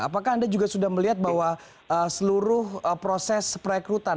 apakah anda juga sudah melihat bahwa seluruh proses perekrutan